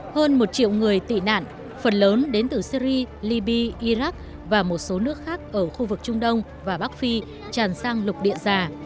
hơn một triệu người tị nạn phần lớn đến từ syri libya iraq và một số nước khác ở khu vực trung đông và bắc phi tràn sang lục địa già